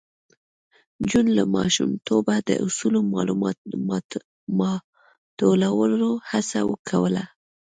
جون له ماشومتوبه د اصولو ماتولو هڅه کوله